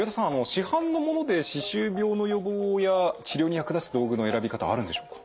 市販のもので歯周病の予防や治療に役立つ道具の選び方はあるんでしょうか？